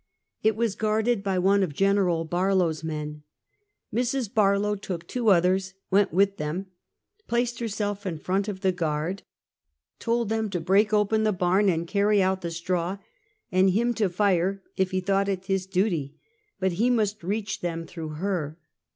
It was guarded by one of Gen. Barlow's men. Mrs. Barlow took two others, went with them, placed herself in front of the guard, told them to break open the barn and carry out the straw, and him to fire, if he thought it is duty; but he must reach them through her.